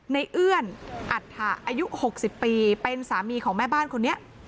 เอื้อนอัฐะอายุ๖๐ปีเป็นสามีของแม่บ้านคนนี้